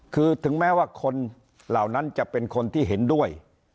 คือถึงแม้ว่าคนเหล่านั้นจะเป็นคนที่เห็นด้วย